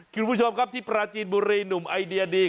คุณผู้ชมครับที่ปราจีนบุรีหนุ่มไอเดียดี